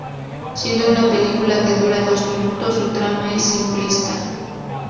Siendo una película que dura dos minutos, su trama es simplista.